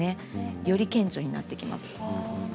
より顕著になってきます。